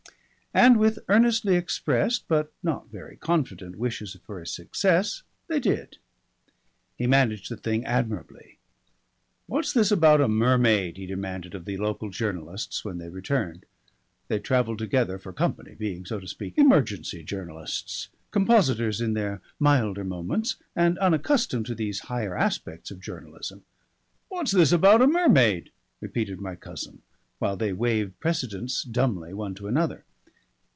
And with earnestly expressed but not very confident wishes for his success, they did. He managed the thing admirably. "What's this about a mermaid?" he demanded of the local journalists when they returned. They travelled together for company, being, so to speak, emergency journalists, compositors in their milder moments, and unaccustomed to these higher aspects of journalism. "What's this about a mermaid?" repeated my cousin, while they waived precedence dumbly one to another.